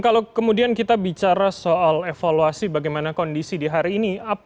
kalau kemudian kita bicara soal evaluasi bagaimana kondisi di hari ini